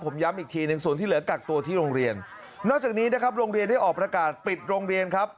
ผมย้ำอีกทีหนึ่งส่วนที่เหลือกักตัวที่โรงเรียนนอกจากนี้นะครับโรงเรียนได้ออกประกาศปิดโรงเรียนครับ